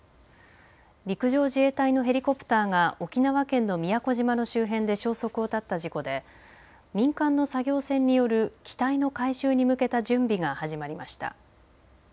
陸上自衛隊のヘリコプターが沖縄県の宮古島の周辺で消息を絶った事故で民間の作業船による機体の回収に向けた準備が始まりました。